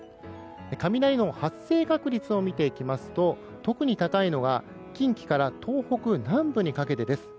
雷の発生確率を見ていきますと特に高いのが近畿から東北南部にかけてです。